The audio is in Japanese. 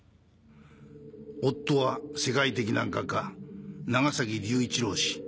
夫は世界的な画家長崎龍一郎氏。